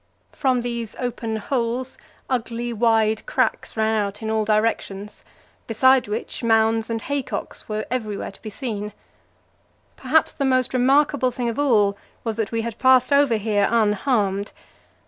From these open holes, ugly wide cracks ran out in all directions; besides which, mounds and haycocks were everywhere to be seen. Perhaps the most remarkable thing of all was that we had passed over here unharmed.